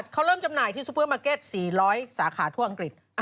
เขาเริ่มจำหน่ายที่ซุปเปอร์มาร์เก็ต๔๐๐สาขาทั่วอังกฤษ